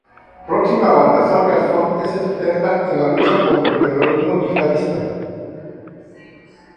Próxima a Baltasar Garzón, es experta en la lucha contra el terrorismo yihadista.